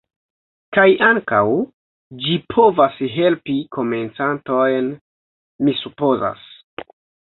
Kaj ankaŭ ĝi povas helpi komencantojn, mi supozas.